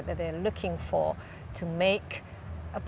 dan apa yang mereka cari